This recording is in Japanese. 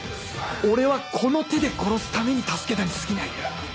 俺はこの手で殺すために助けたにすぎない